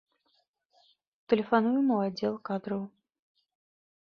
Тэлефануем у аддзел кадраў.